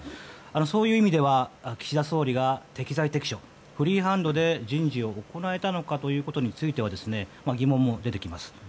そういう意味では岸田総理が適材適所フリーハンドで人事を行えたのかということについては疑問も出てきます。